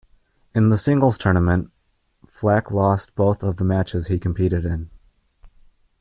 In the singles tournament, Flack lost both of the matches he competed in.